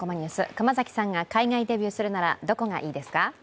熊崎さんが海外デビューするなら、どこがいいですか？